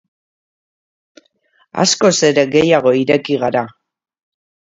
Askoz ere gehiago ireki gara.